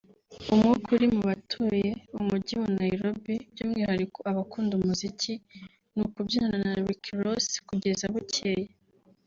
umwuka uri mu batuye Umujyi wa Nairobi by’umwihariko abakunda umuziki ni ukubyinana na Rick Ross kugeza bucyeye